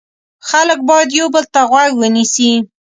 خلک باید یو بل ته غوږ ونیسي.